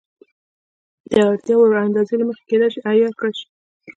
د اړتیا وړ اندازې له مخې کېدای شي عیار کړای شي.